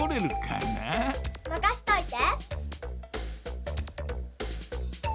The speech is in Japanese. まかしといて！